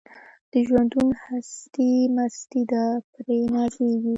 د ژوندون هستي مستي ده پرې نازیږي